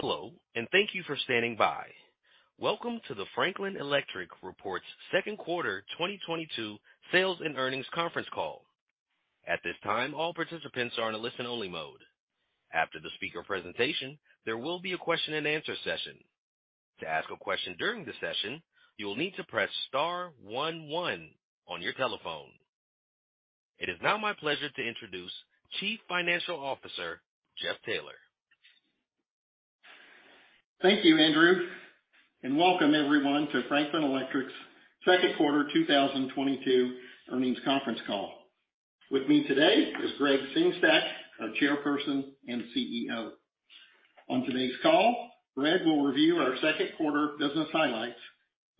Hello, and thank you for standing by. Welcome to the Franklin Electric Reports Second Quarter 2022 Sales and Earnings Conference Call. At this time, all participants are in a listen-only mode. After the speaker presentation, there will be a question-and-answer session. To ask a question during the session, you will need to press star one one on your telephone. It is now my pleasure to introduce Chief Financial Officer Jeff Taylor. Thank you, Andrew, and welcome everyone to Franklin Electric's second quarter 2022 earnings conference call. With me today is Gregg Sengstack, our Chairperson, and CEO. On today's call, Gregg will review our second quarter business highlights,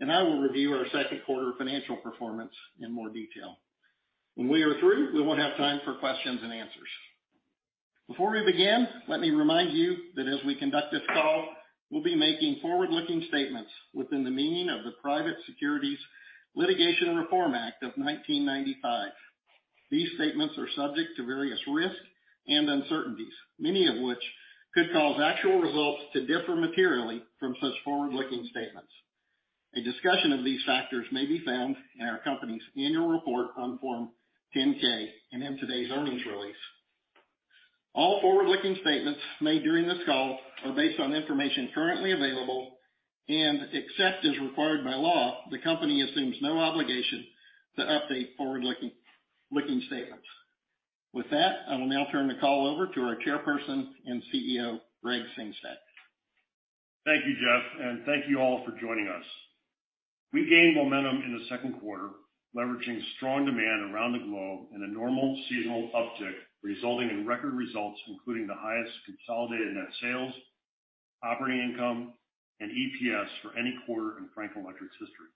and I will review our second quarter financial performance in more detail. When we are through, we will have time for questions and answers. Before we begin, let me remind you that as we conduct this call, we'll be making forward-looking statements within the meaning of the Private Securities Litigation Reform Act of 1995. These statements are subject to various risks and uncertainties, many of which could cause actual results to differ materially from such forward-looking statements. A discussion of these factors may be found in our company's annual report on Form 10-K and in today's earnings release. All forward-looking statements made during this call are based on information currently available, and except as required by law, the company assumes no obligation to update forward-looking statements. With that, I will now turn the call over to our Chairperson and CEO, Gregg Sengstack. Thank you, Jeff, and thank you all for joining us. We gained momentum in the second quarter, leveraging strong demand around the globe in a normal seasonal uptick, resulting in record results, including the highest consolidated net sales, operating income, and EPS for any quarter in Franklin Electric's history.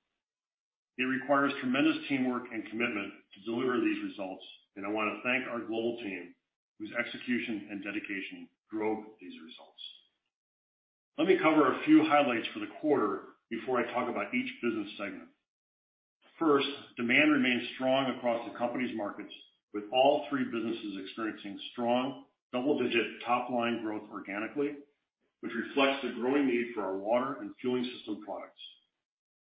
It requires tremendous teamwork and commitment to deliver these results, and I wanna thank our global team whose execution and dedication drove these results. Let me cover a few highlights for the quarter before I talk about each business segment. First, demand remains strong across the company's markets, with all three businesses experiencing strong double-digit top-line growth organically, which reflects the growing need for our water and fueling system products.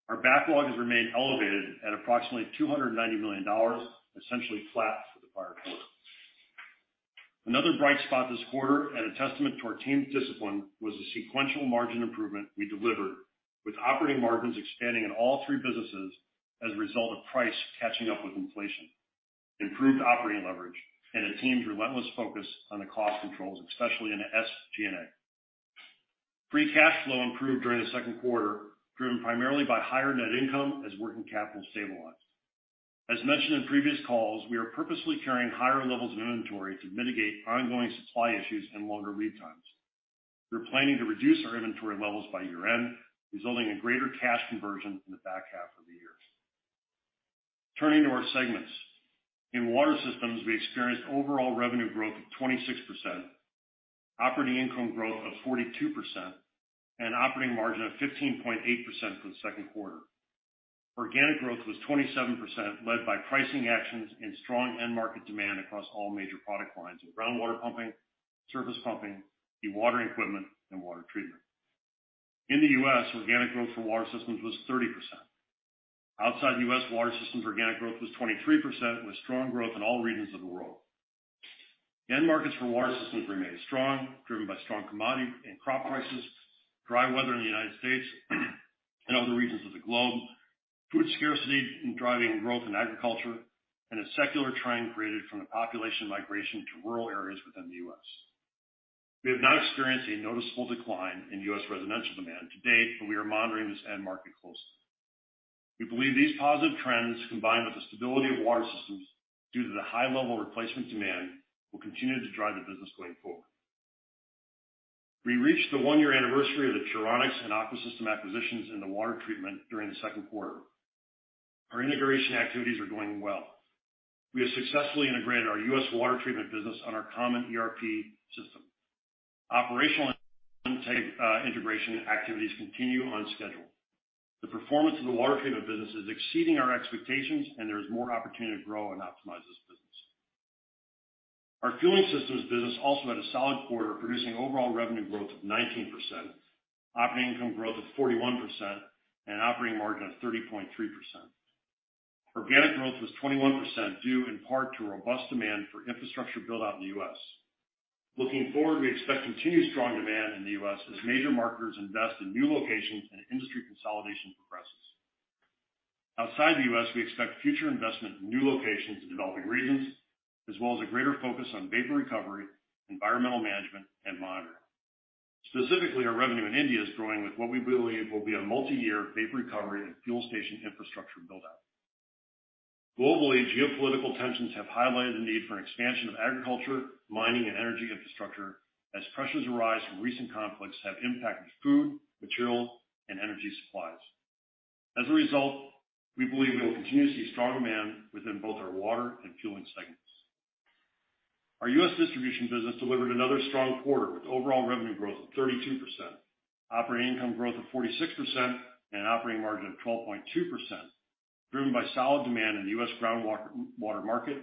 Our backlog has remained elevated at approximately $290 million, essentially flat for the prior quarter. Another bright spot this quarter and a testament to our team's discipline was the sequential margin improvement we delivered with operating margins expanding in all three businesses as a result of price catching up with inflation, improved operating leverage, and the team's relentless focus on the cost controls, especially in the SG&A. Free cash flow improved during the second quarter, driven primarily by higher net income as working capital stabilized. As mentioned in previous calls, we are purposely carrying higher levels of inventory to mitigate ongoing supply issues and longer lead times. We're planning to reduce our inventory levels by year-end, resulting in greater cash conversion in the back half of the year. Turning to our segments. In Water Systems, we experienced overall revenue growth of 26%, operating income growth of 42%, and operating margin of 15.8% for the second quarter. Organic growth was 27%, led by pricing actions and strong end market demand across all major product lines of groundwater pumping, surface pumping, dewatering equipment, and water treatment. In the U.S., organic growth for Water Systems was 30%. Outside the U.S., Water Systems organic growth was 23%, with strong growth in all regions of the world. End markets for Water Systems remain strong, driven by strong commodity and crop prices, dry weather in the United States and other regions of the globe, food scarcity is driving growth in agriculture, and a secular trend created from the population migration to rural areas within the U.S. We have not experienced a noticeable decline in U.S. residential demand to date, but we are monitoring this end market closely. We believe these positive trends, combined with the stability of Water Systems due to the high level of replacement demand, will continue to drive the business going forward. We reached the one-year anniversary of the Puronics and Aqua Systems acquisitions in the water treatment during the second quarter. Our integration activities are going well. We have successfully integrated our U.S. water treatment business on our common ERP system. Operational integration activities continue on schedule. The performance of the water treatment business is exceeding our expectations, and there is more opportunity to grow and optimize this business. Our Fueling Systems business also had a solid quarter, producing overall revenue growth of 19%, operating income growth of 41%, and operating margin of 30.3%. Organic growth was 21%, due in part to robust demand for infrastructure build-out in the U.S. Looking forward, we expect continued strong demand in the U.S. as major marketers invest in new locations and industry consolidation progresses. Outside the U.S., we expect future investment in new locations in developing regions as well as a greater focus on vapor recovery, environmental management, and monitoring. Specifically, our revenue in India is growing with what we believe will be a multi-year vapor recovery and fuel station infrastructure build-out. Globally, geopolitical tensions have highlighted the need for an expansion of agriculture, mining, and energy infrastructure as pressures arise from recent conflicts have impacted food, material, and energy supplies. As a result, we believe we will continue to see strong demand within both our water and fueling segments. Our U.S. distribution business delivered another strong quarter with overall revenue growth of 32%, operating income growth of 46%, and an operating margin of 12.2%. Driven by solid demand in the U.S. groundwater market,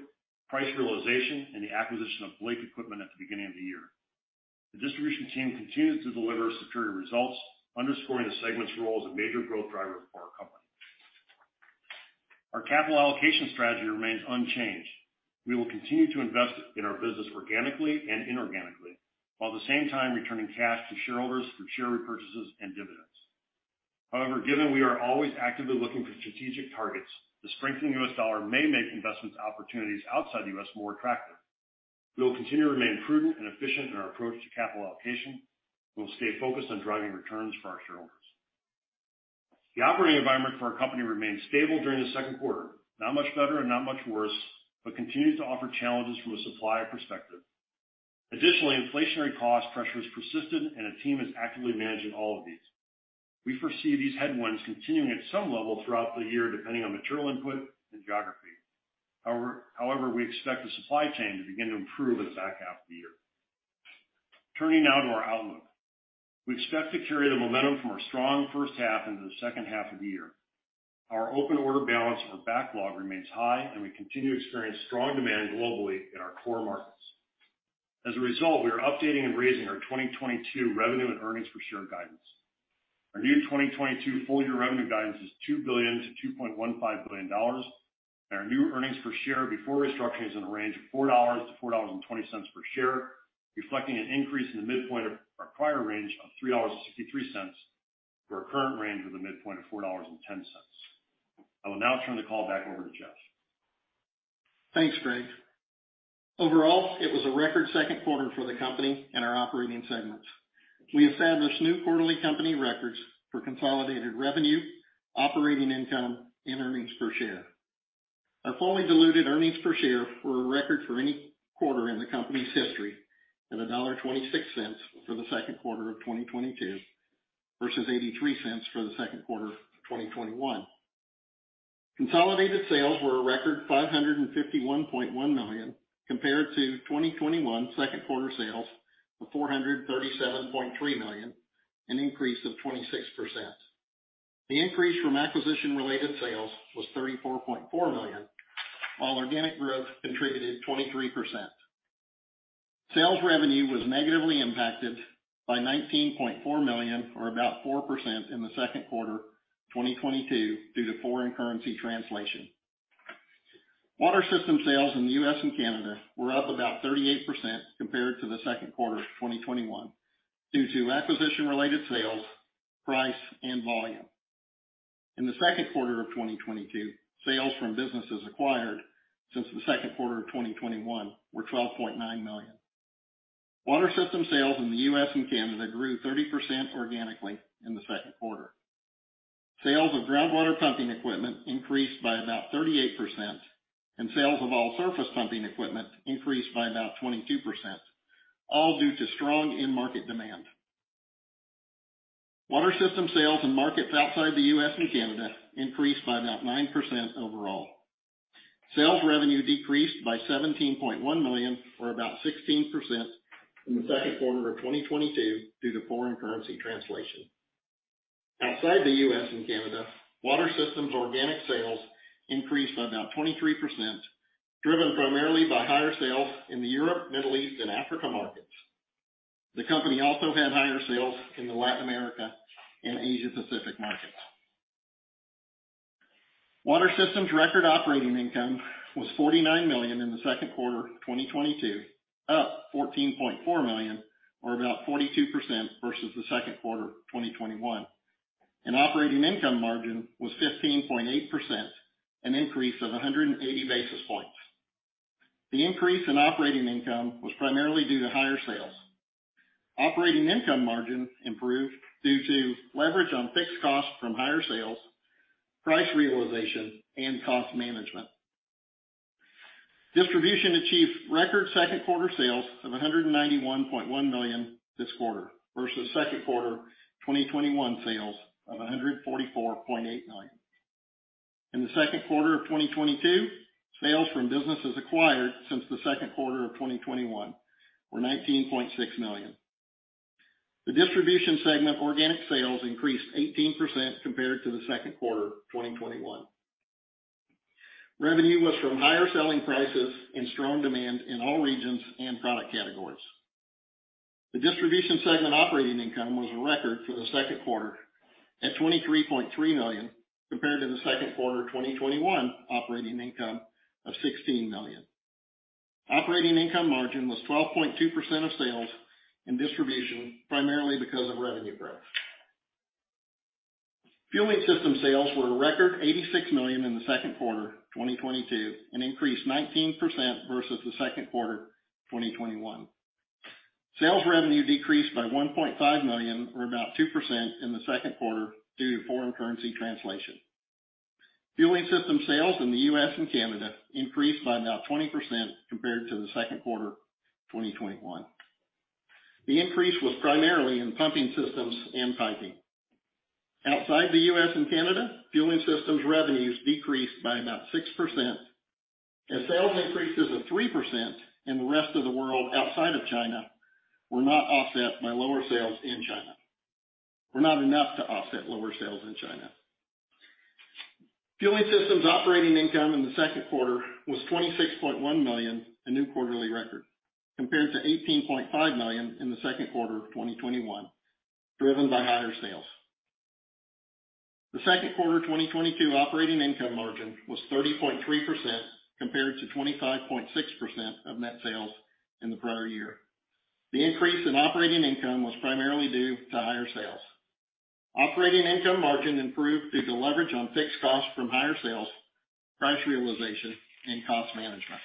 price realization, and the acquisition of Blake Equipment at the beginning of the year. The distribution team continued to deliver superior results, underscoring the segment's role as a major growth driver for our company. Our capital allocation strategy remains unchanged. We will continue to invest in our business organically and inorganically, while at the same time returning cash to shareholders through share repurchases and dividends. However, given we are always actively looking for strategic targets, the strengthening U.S. dollar may make investment opportunities outside the U.S. more attractive. We will continue to remain prudent and efficient in our approach to capital allocation. We'll stay focused on driving returns for our shareholders. The operating environment for our company remained stable during the second quarter. Not much better and not much worse, but continued to offer challenges from a supplier perspective. Additionally, inflationary cost pressures persisted, and our team is actively managing all of these. We foresee these headwinds continuing at some level throughout the year, depending on material input and geography. However, we expect the supply chain to begin to improve in the back half of the year. Turning now to our outlook. We expect to carry the momentum from our strong first half into the second half of the year. Our open order balance or backlog remains high, and we continue to experience strong demand globally in our core markets. As a result, we are updating and raising our 2022 revenue and earnings per share guidance. Our new 2022 full year revenue guidance is $2 billion-$2.15 billion, and our new earnings per share before restructuring is in a range of $4-$4.20 per share, reflecting an increase in the midpoint of our prior range of $3.63 for a current range with a midpoint of $4.10. I will now turn the call back over to Jeff. Thanks, Greg. Overall, it was a record second quarter for the company and our operating segments. We established new quarterly company records for consolidated revenue, operating income, and earnings per share. Our fully diluted earnings per share were a record for any quarter in the company's history, at $1.26 for the second quarter of 2022 versus $0.83 for the second quarter of 2021. Consolidated sales were a record $551.1 million compared to 2021 second quarter sales of $437.3 million, an increase of 26%. The increase from acquisition-related sales was $34.4 million, while organic growth contributed 23%. Sales revenue was negatively impacted by $19.4 million or about 4% in the second quarter of 2022 due to foreign currency translation. Water Systems sales in the U.S. and Canada were up about 38% compared to the second quarter of 2021 due to acquisition-related sales, price, and volume. In the second quarter of 2022, sales from businesses acquired since the second quarter of 2021 were $12.9 million. Water Systems sales in the U.S. and Canada grew 30% organically in the second quarter. Sales of groundwater pumping equipment increased by about 38%, and sales of all surface pumping equipment increased by about 22%, all due to strong end market demand. Water Systems sales in markets outside the U.S. and Canada increased by about 9% overall. Sales revenue decreased by $17.1 million or about 16% in the second quarter of 2022 due to foreign currency translation. Outside the U.S. and Canada, Water Systems organic sales increased by about 23%, driven primarily by higher sales in the Europe, Middle East, and Africa markets. The company also had higher sales in the Latin America and Asia Pacific markets. Water Systems record operating income was $49 million in the second quarter of 2022, up $14.4 million, or about 42% versus the second quarter of 2021, and operating income margin was 15.8%, an increase of 180 basis points. The increase in operating income was primarily due to higher sales. Operating income margin improved due to leverage on fixed costs from higher sales, price realization, and cost management. Distribution achieved record second-quarter sales of $191.1 million this quarter versus second quarter 2021 sales of $144.8 million. In the second quarter of 2022, sales from businesses acquired since the second quarter of 2021 were $19.6 million. The Distribution segment organic sales increased 18% compared to the second quarter of 2021. Revenue was from higher selling prices and strong demand in all regions and product categories. The Distribution segment operating income was a record for the second quarter at $23.3 million, compared to the second quarter of 2021 operating income of $16 million. Operating income margin was 12.2% of sales in Distribution, primarily because of revenue growth. Fueling Systems sales were a record $86 million in the second quarter of 2022, an increase 19% versus the second quarter of 2021. Sales revenue decreased by $1.5 million or about 2% in the second quarter due to foreign currency translation. Fueling Systems sales in the U.S. and Canada increased by about 20% compared to the second quarter of 2021. The increase was primarily in pumping systems and piping. Outside the U.S. and Canada, fueling systems revenues decreased by about 6%. As sales increases of 3% in the rest of the world outside of China were not enough to offset lower sales in China. Fueling Systems operating income in the second quarter was $26.1 million, a new quarterly record, compared to $18.5 million in the second quarter of 2021, driven by higher sales. The second quarter 2022 operating income margin was 30.3% compared to 25.6% of net sales in the prior year. The increase in operating income was primarily due to higher sales. Operating income margin improved due to leverage on fixed costs from higher sales, price realization and cost management.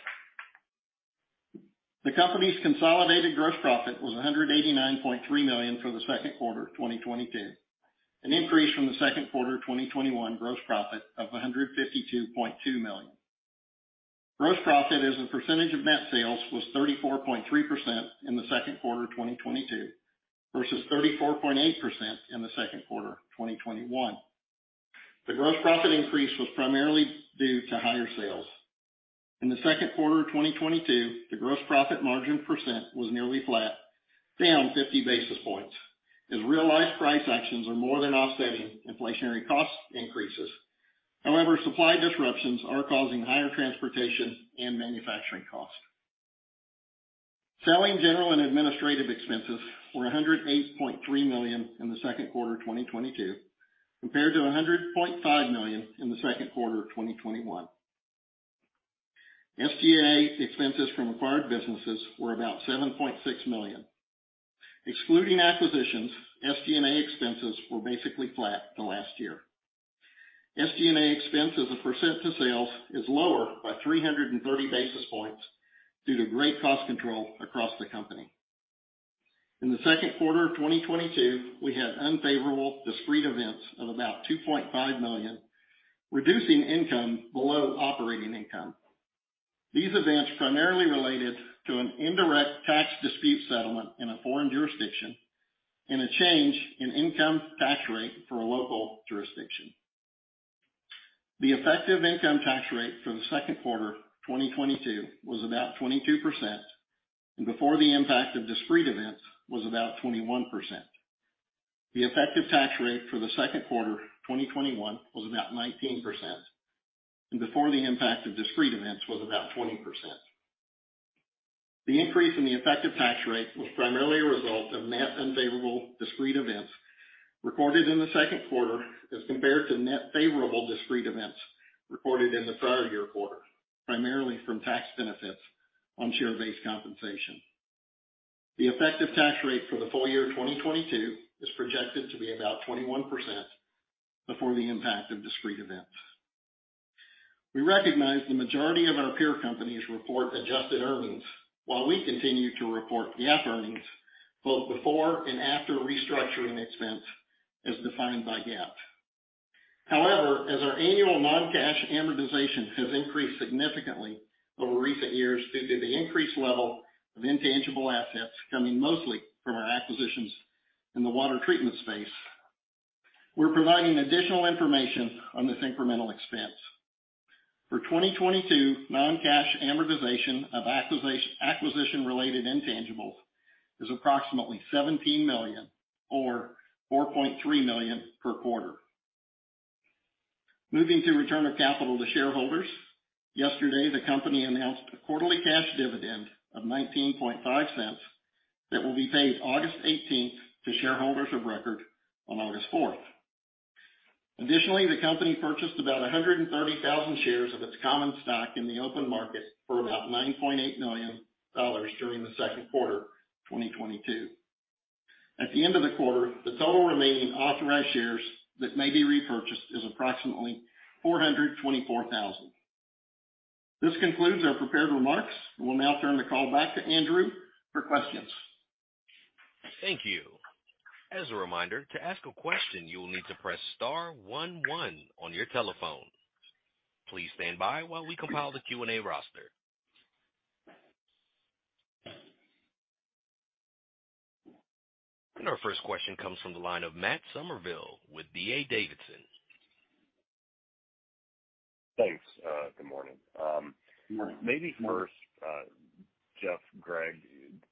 The company's consolidated gross profit was $189.3 million for the second quarter of 2022, an increase from the second quarter of 2021 gross profit of $152.2 million. Gross profit as a percentage of net sales was 34.3% in the second quarter of 2022 versus 34.8% in the second quarter of 2021. The gross profit increase was primarily due to higher sales. In the second quarter of 2022, the gross profit margin percent was nearly flat, down 50 basis points as realized price actions are more than offsetting inflationary cost increases. However, supply disruptions are causing higher transportation and manufacturing costs. Selling, general, and administrative expenses were $108.3 million in the second quarter of 2022 compared to $100.5 million in the second quarter of 2021. SG&A expenses from acquired businesses were about $7.6 million. Excluding acquisitions, SG&A expenses were basically flat the last year. SG&A expense as a percent of sales is lower by 330 basis points due to great cost control across the company. In the second quarter of 2022, we had unfavorable discrete events of about $2.5 million, reducing income below operating income. These events primarily related to an indirect tax dispute settlement in a foreign jurisdiction and a change in income tax rate for a local jurisdiction. The effective income tax rate for the second quarter of 2022 was about 22%, and before the impact of discrete events was about 21%. The effective tax rate for the second quarter of 2021 was about 19%, and before the impact of discrete events was about 20%. The increase in the effective tax rate was primarily a result of net unfavorable discrete events recorded in the second quarter as compared to net favorable discrete events recorded in the prior year quarter, primarily from tax benefits on share-based compensation. The effective tax rate for the full year of 2022 is projected to be about 21% before the impact of discrete events. We recognize the majority of our peer companies report adjusted earnings while we continue to report GAAP earnings both before and after restructuring expense as defined by GAAP. However, as our annual non-cash amortization has increased significantly over recent years due to the increased level of intangible assets coming mostly from our acquisitions in the water treatment space, we're providing additional information on this incremental expense. For 2022, non-cash amortization of acquisition-related intangibles is approximately $17 million or $4.3 million per quarter. Moving to return of capital to shareholders. Yesterday, the company announced a quarterly cash dividend of $0.195 that will be paid August 18th to shareholders of record on August 4th. Additionally, the company purchased about 130,000 shares of its common stock in the open market for about $9.8 million during the second quarter of 2022. At the end of the quarter, the total remaining authorized shares that may be repurchased is approximately 424,000. This concludes our prepared remarks. We will now turn the call back to Andrew for questions. Thank you. As a reminder, to ask a question, you will need to press star one one on your telephone. Please stand by while we compile the Q&A roster. Our first question comes from the line of Matt Summerville with D.A. Davidson. Thanks. Good morning. Maybe first, Jeff, Gregg,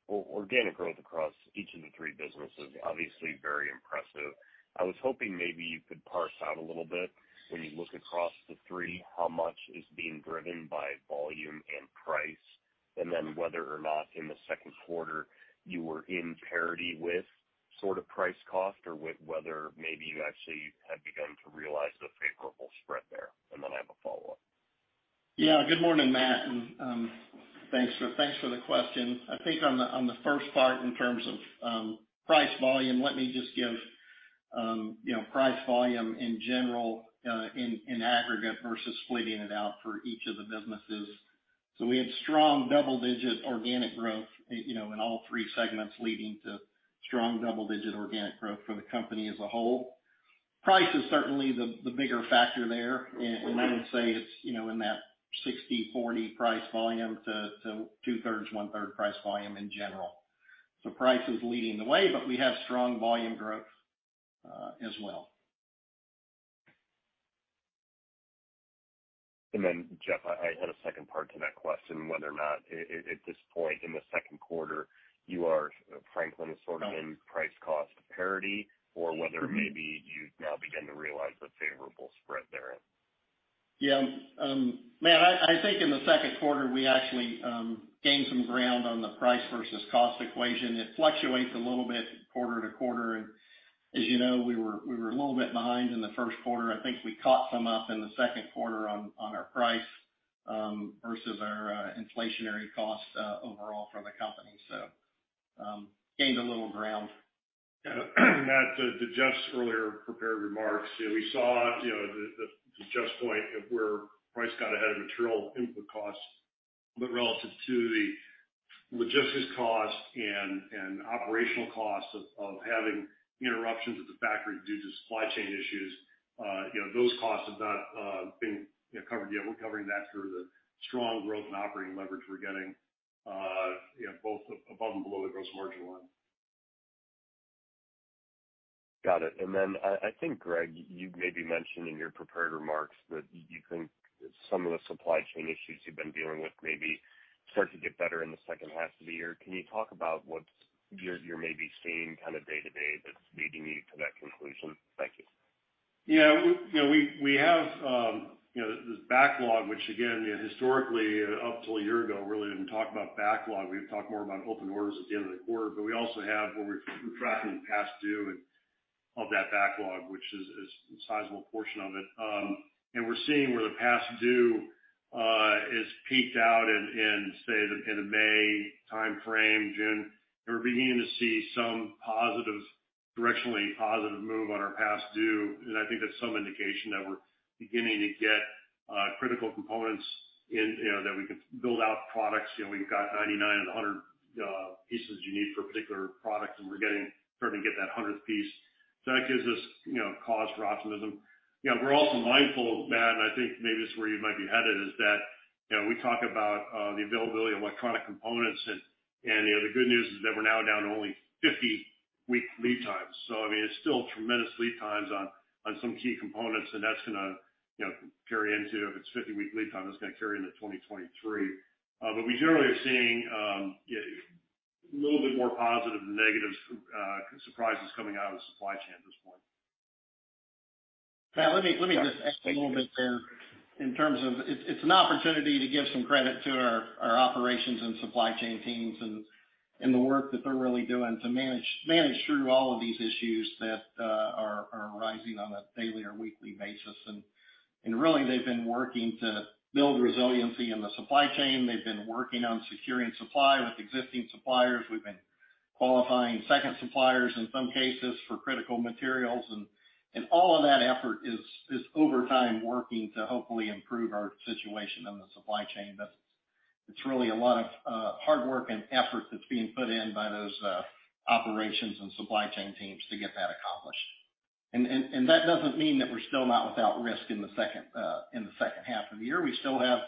organic growth across each of the three businesses, obviously very impressive. I was hoping maybe you could parse out a little bit when you look across the three, how much is being driven by volume and price, and then whether or not in the second quarter you were in parity with sort of price cost or whether maybe you actually had begun to realize the favorable spread there. Then I have a follow-up. Yeah. Good morning, Matt, and thanks for the question. I think on the first part in terms of price volume, let me just give you know price volume in general in aggregate versus splitting it out for each of the businesses. We have strong double-digit organic growth you know in all three segments leading to strong double-digit organic growth for the company as a whole. Price is certainly the bigger factor there. I would say it's you know in that 60/40 price to 2/3, 1/3 price volume in general. Price is leading the way, but we have strong volume growth as well. Jeff, I had a second part to that question, whether or not at this point in the second quarter, you are, Franklin is sort of in price cost parity or whether maybe you now begin to realize the favorable spread therein. Yeah. Matt, I think in the second quarter, we actually gained some ground on the price versus cost equation. It fluctuates a little bit quarter to quarter. As you know, we were a little bit behind in the first quarter. I think we caught some up in the second quarter on our price versus our inflationary costs overall for the company. Gained a little ground. Yeah. Matt, to Jeff's earlier prepared remarks, you know, we saw, you know, the to Jeff's point of where price got ahead of material input costs, but relative to the logistics cost and operational costs of having interruptions at the factory due to supply chain issues, you know, those costs have not been, you know, covered yet. We're covering that through the strong growth and operating leverage we're getting, you know, both above and below the gross margin line. Got it. I think, Gregg, you maybe mentioned in your prepared remarks that you think some of the supply chain issues you've been dealing with maybe start to get better in the second half of the year. Can you talk about what you're maybe seeing kind of day-to-day that's leading you to that conclusion? Thank you. You know we have you know this backlog, which again you know historically up till a year ago really didn't talk about backlog. We've talked more about open orders at the end of the quarter, but we also have where we're tracking past due and of that backlog, which is a sizable portion of it. We're seeing where the past due is peaked out in say in a May timeframe, June. We're beginning to see some directionally positive move on our past due. I think that's some indication that we're beginning to get critical components in you know that we can build out products. You know we've got 99 and 100 pieces you need for a particular product, and we're starting to get that 100 piece. That gives us, you know, cause for optimism. You know, we're also mindful, Matt, and I think maybe this is where you might be headed, is that, you know, we talk about the availability of electronic components and you know, the good news is that we're now down to only 50-week lead times. I mean, it's still tremendous lead times on some key components, and that's gonna, you know, carry into if it's 50-week lead time, that's gonna carry into 2023. But we generally are seeing, you know, a little bit more positive than negatives surprises coming out of the supply chain at this point. Matt, let me just add a little bit there in terms of it's an opportunity to give some credit to our operations and supply chain teams and the work that they're really doing to manage through all of these issues that are arising on a daily or weekly basis. Really they've been working to build resiliency in the supply chain. They've been working on securing supply with existing suppliers. We've been qualifying second suppliers in some cases for critical materials and all of that effort is over time working to hopefully improve our situation on the supply chain business. It's really a lot of hard work and effort that's being put in by those operations and supply chain teams to get that accomplished. That doesn't mean that we're still not without risk in the second half of the year. We still have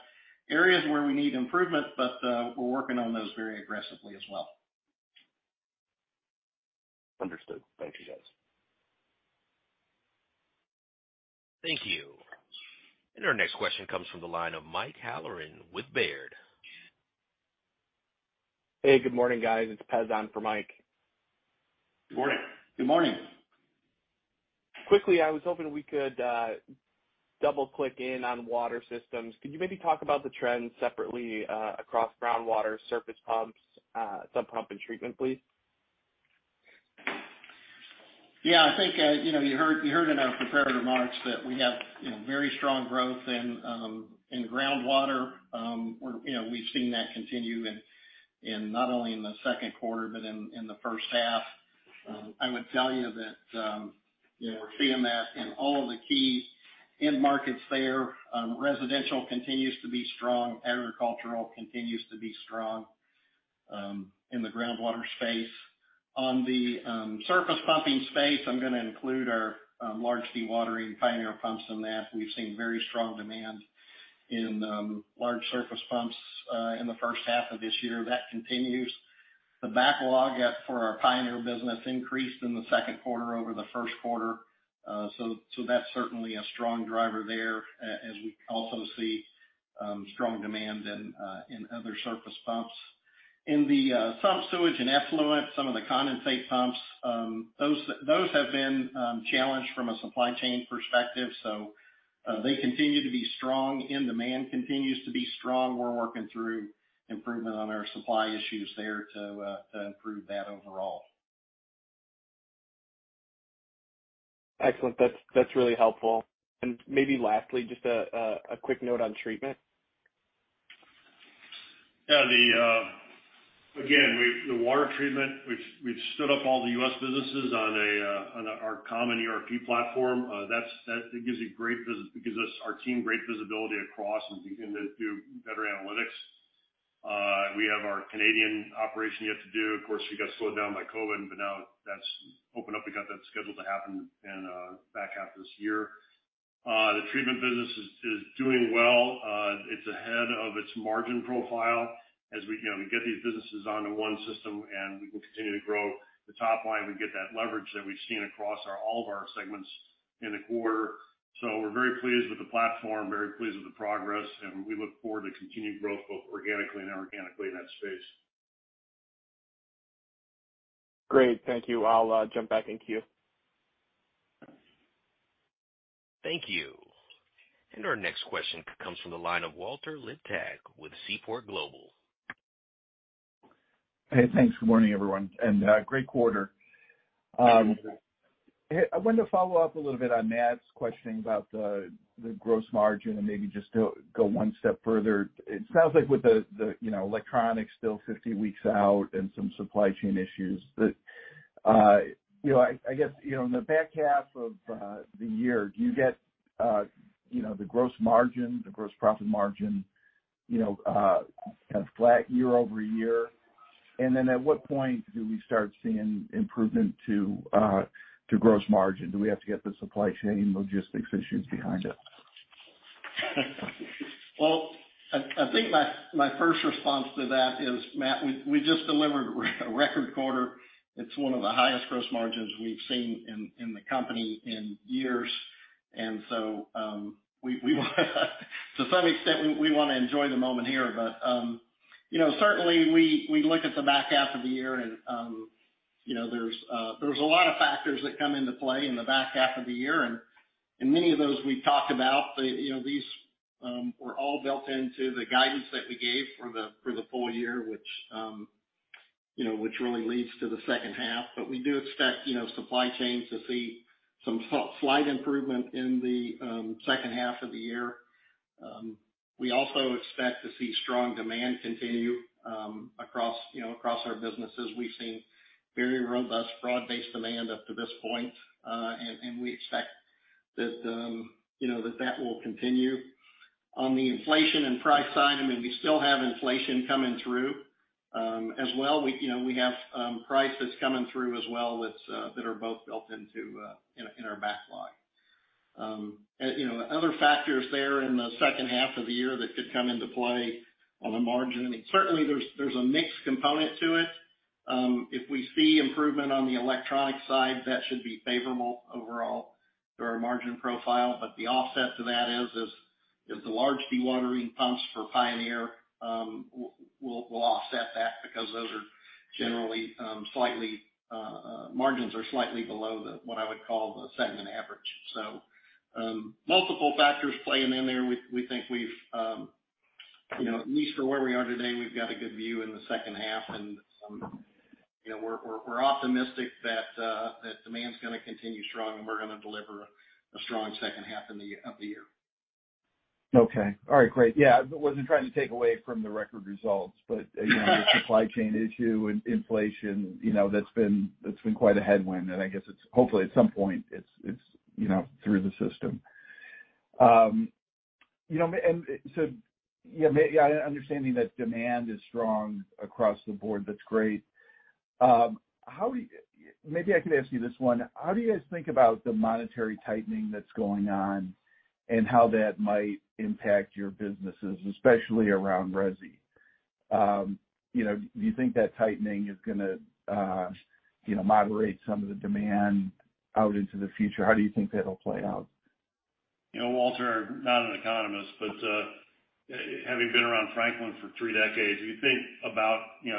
areas where we need improvement, but we're working on those very aggressively as well. Understood. Thank you, guys. Thank you. Our next question comes from the line of Mike Halloran with Baird. Hey, good morning, guys. It's Pezan for Mike. Good morning. Good morning. Quickly, I was hoping we could double-click in on Water Systems. Can you maybe talk about the trends separately across groundwater, surface pumps, submersible pumps, and treatment, please? Yeah, I think, you know, you heard in our prepared remarks that we have, you know, very strong growth in groundwater. We're, you know, we've seen that continue in not only the second quarter, but in the first half. I would tell you that, you know, we're seeing that in all of the key end markets there. Residential continues to be strong. Agricultural continues to be strong in the groundwater space. On the surface pumping space, I'm gonna include our large dewatering Pioneer pumps in that. We've seen very strong demand in large surface pumps in the first half of this year. That continues. The backlog for our Pioneer business increased in the second quarter over the first quarter. That's certainly a strong driver there as we also see strong demand in other surface pumps. In the sump, sewage and effluent, some of the condensate pumps, those have been challenged from a supply chain perspective. They continue to be strong and demand continues to be strong. We're working through improvement on our supply issues there to improve that overall. Excellent. That's really helpful. Maybe lastly, just a quick note on treatment. Yeah. Again, the water treatment, we've stood up all the U.S. businesses on our common ERP platform. That gives us, our team, great visibility across, and we can then do better analytics. We have our Canadian operation yet to do. Of course, we got slowed down by COVID, but now that's opened up. We got that scheduled to happen in the back half of this year. The treatment business is doing well. It's ahead of its margin profile. You know, we get these businesses onto one system and we can continue to grow the top line, we get that leverage that we've seen across all of our segments in the quarter. We're very pleased with the platform, very pleased with the progress, and we look forward to continued growth, both organically and inorganically in that space. Great. Thank you. I'll jump back in queue. Thank you. Our next question comes from the line of Walter Liptak with Seaport Global. Hey, thanks. Good morning, everyone, and great quarter. Hey, I wanted to follow up a little bit on Matt's questioning about the gross margin and maybe just go one step further. It sounds like with the you know, electronics still 50 weeks out and some supply chain issues that you know, I guess, you know, in the back half of the year, do you get you know, the gross margin, the gross profit margin, you know, kind of flat year-over-year? And then at what point do we start seeing improvement to gross margin? Do we have to get the supply chain logistics issues behind it? Well, I think my first response to that is, Matt, we just delivered a record quarter. It's one of the highest gross margins we've seen in the company in years. You know, certainly, we look at the back half of the year and, you know, there's a lot of factors that come into play in the back half of the year. Many of those we've talked about. You know, these were all built into the guidance that we gave for the full year, which really leads to the second half. But we do expect, you know, supply chains to see some slight improvement in the second half of the year. We also expect to see strong demand continue across, you know, across our businesses. We've seen very Robust broad-based demand up to this point, and we expect that, you know, that will continue. On the inflation and price side, I mean, we still have inflation coming through. As well, we, you know, we have price that's coming through as well that's that are both built into in our backlog. And, you know, other factors there in the second half of the year that could come into play on the margin. Certainly, there's a mixed component to it. If we see improvement on the electronic side, that should be favorable overall to our margin profile. The offset to that is the large dewatering pumps for Pioneer will offset that because those are generally margins are slightly below what I would call the segment average. Multiple factors playing in there. We think we've you know at least for where we are today we've got a good view in the second half and some you know we're optimistic that that demand's gonna continue strong and we're gonna deliver a strong second half of the year. Okay. All right, great. Yeah, I wasn't trying to take away from the record results, but, you know, the supply chain issue and inflation, you know, that's been quite a headwind. I guess it's hopefully at some point it's, you know, through the system. You know, yeah, understanding that demand is strong across the board, that's great. Maybe I could ask you this one. How do you guys think about the monetary tightening that's going on and how that might impact your businesses, especially around Resi? You know, do you think that tightening is gonna, you know, moderate some of the demand out into the future? How do you think that'll play out? You know, Walter, I'm not an economist, but having been around Franklin for three decades, we think about, you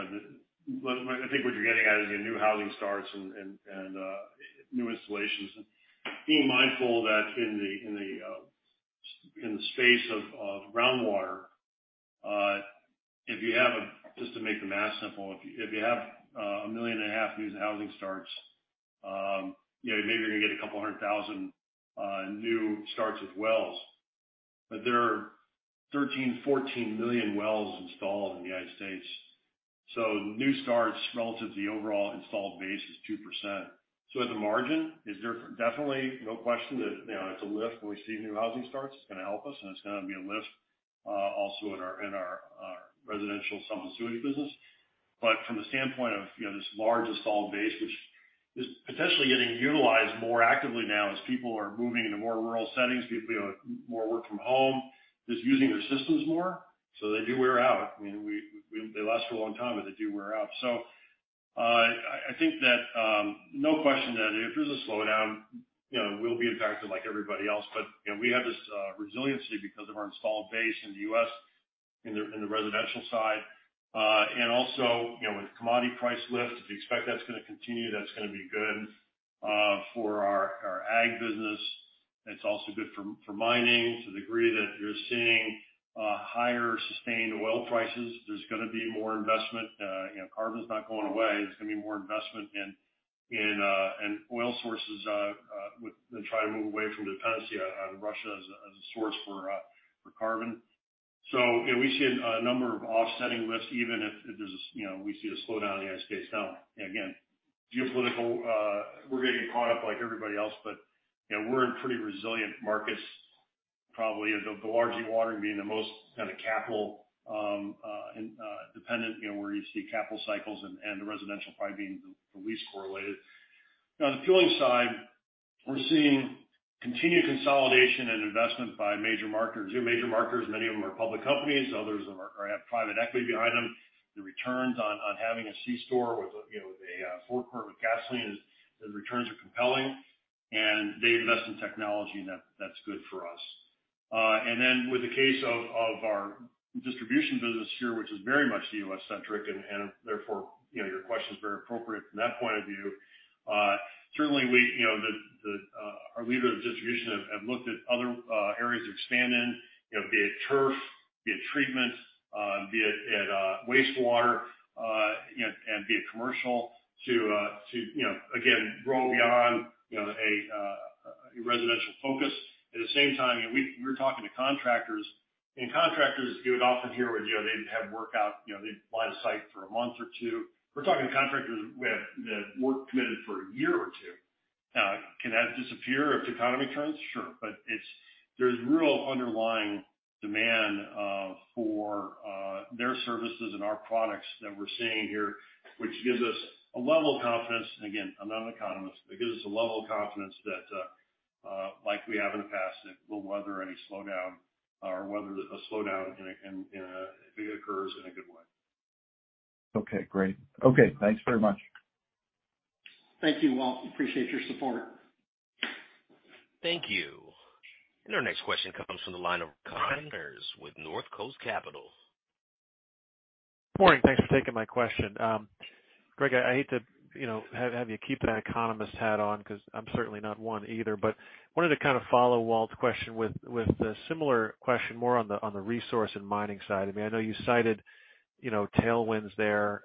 know, I think what you're getting at is your new housing starts and new installations. Being mindful that in the space of groundwater, just to make the math simple, if you have a 1.5 million new housing starts, you know, maybe you're gonna get a couple hundred thousand new starts with wells. There are 13, 14 million wells installed in the United States. New starts relative to the overall installed base is 2%. At the margin, is there definitely no question that, you know, it's a lift when we see new housing starts. It's gonna help us and it's gonna be a lift also in our residential sub-sewage business. From the standpoint of, you know, this large installed base, which is potentially getting utilized more actively now as people are moving into more rural settings, you know, more work from home, just using their systems more, so they do wear out. I mean, they last a long time, but they do wear out. I think that no question that if there's a slowdown, you know, we'll be impacted like everybody else. You know, we have this resiliency because of our installed base in the U.S. in the residential side. Also, you know, with commodity price lift, if you expect that's gonna continue, that's gonna be good for our Ag business. It's also good for mining to the degree that you're seeing higher sustained oil prices. There's gonna be more investment. You know, crude's not going away. There's gonna be more investment in oil sources they try to move away from dependency on Russia as a source for crude. You know, we see a number of offsetting lifts even if there's you know, we see a slowdown in the United States economy. Again, Geopolitical, we're getting caught up like everybody else. You know, we're in pretty resilient markets. Probably the large dewatering being the most kind of capital and dependent, you know, where you see capital cycles and the residential probably being the least correlated. Now, on the fueling side, we're seeing continued consolidation and investment by major marketers. Major marketers, many of them are public companies, others have private equity behind them. The returns on having a C-store with, you know, a forecourt with gasoline are compelling and they invest in technology, and that's good for us. Then with the case of our distribution business here, which is very much U.S.-centric, and therefore, you know, your question is very appropriate from that point of view. Certainly, you know, our leaders of distribution have looked at other areas to expand in. You know, be it turf, be it treatment, be it wastewater, you know, and be it commercial to, you know, again, grow beyond, you know, a residential focus. At the same time, you know, we were talking to contractors. Contractors, you would often hear where, you know, they'd have work out, you know, they'd buy the site for a month or two. We're talking contractors with the work committed for a year or two. Can that disappear if the economy turns? Sure. There's real underlying demand for their services and our products that we're seeing here, which gives us a level of confidence. Again, I'm not an economist, but it gives us a level of confidence that, like we have in the past, that we'll weather any slowdown or weather a slowdown in a if it occurs, in a good way. Okay, great. Okay, thanks very much. Thank you, Walter. Appreciate your support. Thank you. Our next question comes from the line of Ryan Connors with Northcoast Research. Morning. Thanks for taking my question. Gregg, I hate to, you know, have you keep that economist hat on because I'm certainly not one either. Wanted to kind of follow Walt's question with a similar question more on the resource and mining side. I mean, I know you cited, you know, tailwinds there,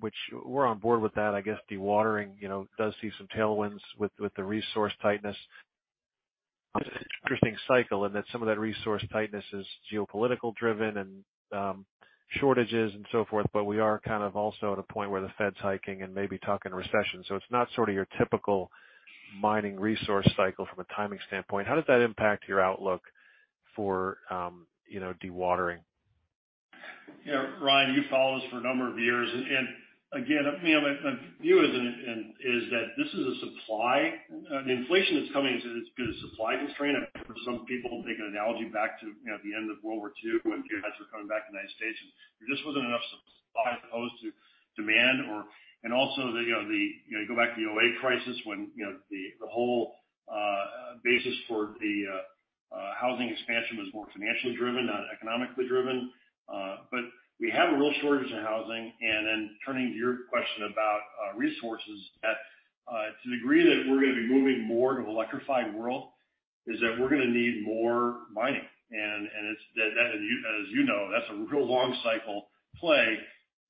which we're on board with that. I guess, dewatering, you know, does see some tailwinds with the resource tightness. Interesting cycle in that some of that resource tightness is geopolitical driven and shortages and so forth. We are kind of also at a point where the Fed's hiking and maybe talking recession. It's not sort of your typical mining resource cycle from a timing standpoint. How does that impact your outlook for, you know, dewatering? Yeah. Ryan, you've followed us for a number of years. Again, you know, my view is that the inflation that's coming is supply constrained. I know some people make an analogy back to, you know, the end of World War II when GIs were coming back to the United States, and there just wasn't enough supply as opposed to demand. You know, you go back to the 2008 crisis when the whole basis for the housing expansion was more financially driven, not economically driven. We have a real shortage in housing. Then turning to your question about resources that, to the degree that we're gonna be moving more to an electrified world, is that we're gonna need more mining. It's that as you know, that's a real long cycle play.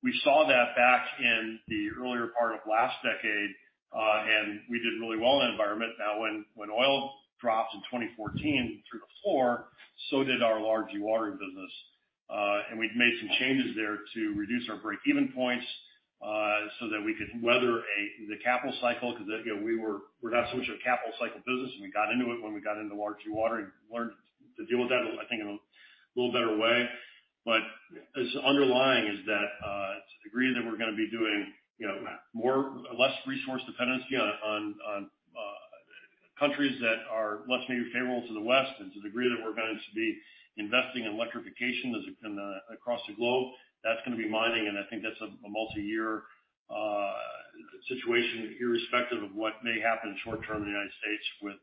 We saw that back in the earlier part of last decade, and we did really well in that environment. Now, when oil dropped in 2014 through the floor, so did our large dewatering business. And we'd made some changes there to reduce our break-even points, so that we could weather the capital cycle because, you know, we're not so much a capital cycle business, and we got into it when we got into large dewatering. Learned to deal with that I think in a little better way. As underlying is that, to the degree that we're gonna be doing, you know, less resource dependency on countries that are less maybe favorable to the West and to the degree that we're going to be investing in electrification across the globe, that's gonna be mining. I think that's a multiyear situation irrespective of what may happen short term in the United States with,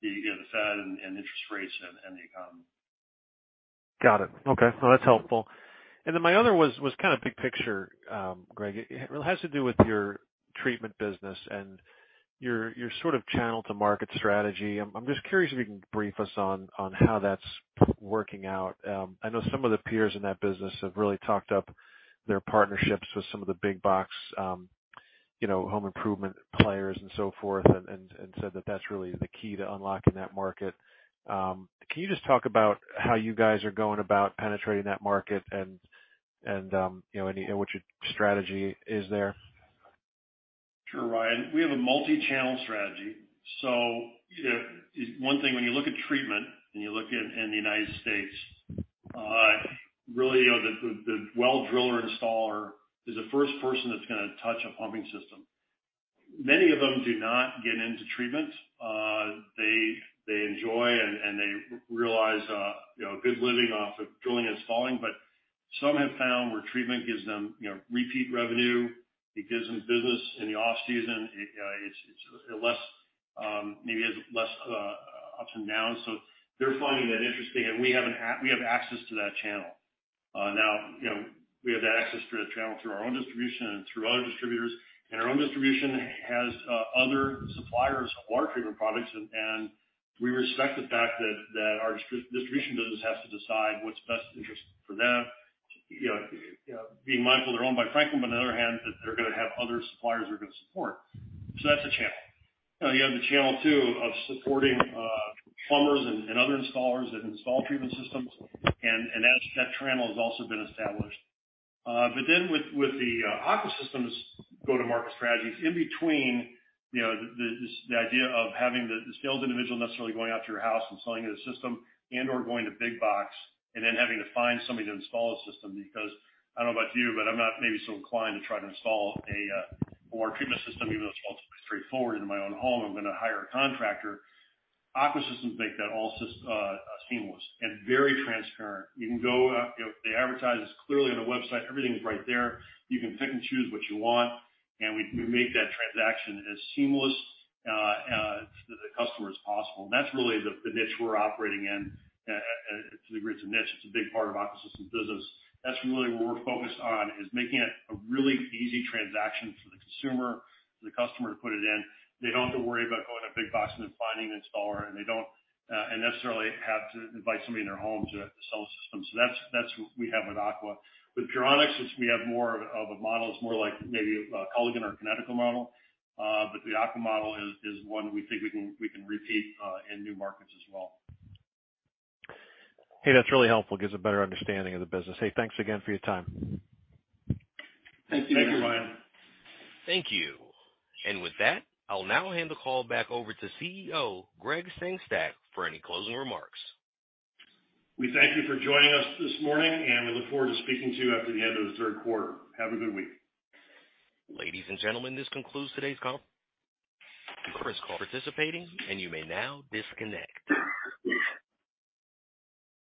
you know, the Fed and interest rates and the economy. Got it. Okay. No, that's helpful. Then my other was kind of big picture, Gregg. It has to do with your treatment business and your sort of channel to market strategy. I'm just curious if you can brief us on how that's working out. I know some of the peers in that business have really talked up their partnerships with some of the big box, you know, home improvement players and so forth, and said that that's really the key to unlocking that market. Can you just talk about how you guys are going about penetrating that market and you know what your strategy is there? Sure, Ryan. We have a multi-channel strategy. One thing when you look at treatment and you look in the United States, really, you know, the well driller installer is the first person that's gonna touch a pumping system. Many of them do not get into treatment. They enjoy and they realize, you know, a good living off of drilling and installing. Some have found where treatment gives them, you know, repeat revenue, it gives them business in the off-season. It's less, maybe has less ups and downs. They're finding that interesting. We have access to that channel. Now, you know, we have that access to the channel through our own distribution and through other distributors. Our own distribution has other suppliers of water treatment products. We respect the fact that our Distribution business has to decide what's best interest for them. You know, being mindful they're owned by Franklin, but on the other hand, that they're gonna have other suppliers they're gonna support. That's a channel. You know, you have the channel too of supporting plumbers and other installers that install treatment systems. That channel has also been established. With the Aqua Systems go-to-market strategies in between, you know, the idea of having the sales individual necessarily going out to your house and selling you the system and/or going to big box and then having to find somebody to install the system because I don't know about you, but I'm not maybe so inclined to try to install a water treatment system even though it's relatively straightforward in my own home. I'm gonna hire a contractor. Aqua Systems make that all seamless and very transparent. You can go, you know, they advertise this clearly on the website. Everything's right there. You can pick and choose what you want, and we make that transaction as seamless to the customer as possible. That's really the niche we're operating in. To the degree it's a niche, it's a big part of Aqua Systems business. That's really what we're focused on, is making it a really easy transaction for the consumer, for the customer to put it in. They don't have to worry about going to big box and then finding an installer, and they don't and necessarily have to invite somebody in their home to sell the system. That's what we have with Aqua. With Puronics, we have more of a model that's more like maybe a Culligan or a Kinetico model. The Aqua model is one we think we can repeat in new markets as well. Hey, that's really helpful. Gives a better understanding of the business. Hey, thanks again for your time. Thank you. Thank you, Ryan. Thank you. With that, I'll now hand the call back over to CEO Gregg Sengstack for any closing remarks. We thank you for joining us this morning, and we look forward to speaking to you after the end of the third quarter. Have a good week. Ladies and gentlemen, this concludes today's call. Thank you for participating, and you may now disconnect.